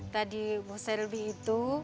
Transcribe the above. tadi mustahil lebih itu